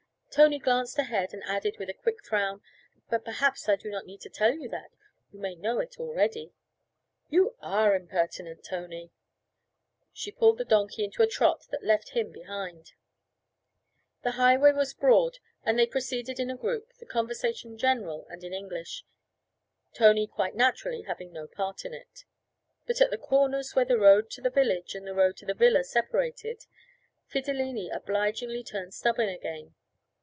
Tony glanced ahead and added with a quick frown 'But perhaps I do not need to tell you that you may know it already?' 'You are impertinent, Tony.' She pulled the donkey into a trot that left him behind. The highway was broad and they proceeded in a group, the conversation general and in English, Tony quite naturally having no part in it. But at the corners where the road to the village and the road to the villa separated, Fidilini obligingly turned stubborn again.